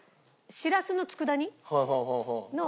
しらすの佃煮？